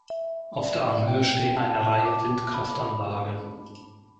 Auf der Anhöhe stehen eine Reihe Windkraftanlagen.